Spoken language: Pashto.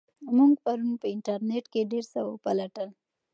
موږ پرون په انټرنیټ کې ډېر څه وپلټل.